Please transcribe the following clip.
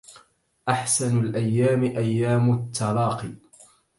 أحسن الأيام أيام التلاق